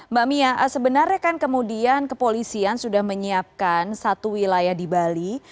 mbak mia sebenarnya kan kemudian kepolisian sudah menyiapkan satu wilayah di bali